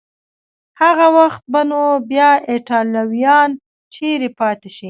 هغه وخت به نو بیا ایټالویان چیري پاتې شي؟